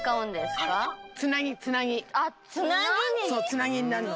つなぎになるの。